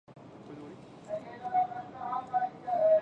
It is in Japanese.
私の強みは、目標達成に向けた課題解決能力です。